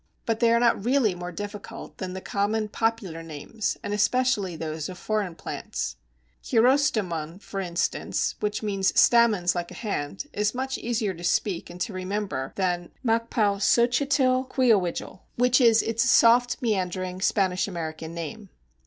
But they are not really more difficult than the common popular names, and especially those of foreign plants. Cheirostemon, for instance, which means stamens like a hand, is much easier to speak and to remember than Macpalxochitlquahuitl, which is its soft, meandering, Spanish American name.